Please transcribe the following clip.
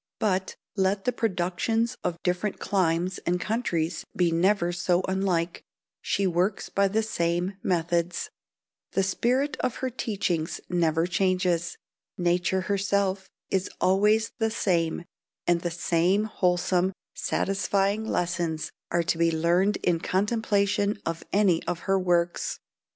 But, let the productions of different climes and countries be never so unlike, she works by the same methods; the spirit of her teachings never changes; nature herself is always the same, and the same wholesome, satisfying lessons are to be learned in the contemplation of any of her works.